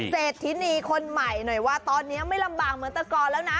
เศรษฐินีคนใหม่หน่อยว่าตอนนี้ไม่ลำบากเหมือนตะกรแล้วนะ